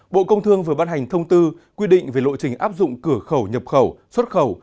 bộ công thương vừa ban hành thông tư quy định về lộ trình áp dụng cửa khẩu nhập khẩu xuất khẩu